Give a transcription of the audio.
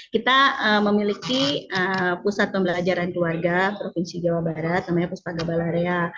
kita memiliki pusat pembelajaran keluarga provinsi jawa barat namanya puspaga balarea